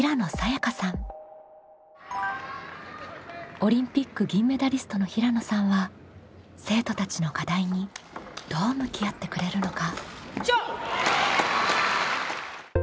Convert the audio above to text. オリンピック銀メダリストの平野さんは生徒たちの課題にどう向き合ってくれるのか？